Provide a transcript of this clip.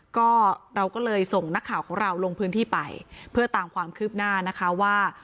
ก็เราก็เลยส่งนักข่าวของเราลงพื้นที่ไปเพื่อตามความคืบหน้านะคะว่า